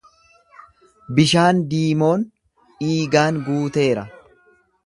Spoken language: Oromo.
Bishaan Diimoon dhiigaan guuteera.